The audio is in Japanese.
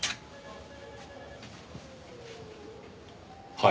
はい？